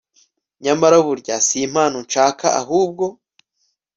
nyamara burya si impano nshaka ahubwo